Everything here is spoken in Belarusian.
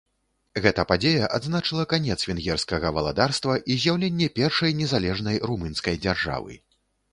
Гэта падзея адзначыла канец венгерскага валадарства і з'яўленне першай незалежнай румынскай дзяржавы.